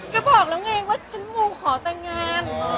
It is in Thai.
ก็บอกแล้วไงว่าฉันมูขอแต่งงาน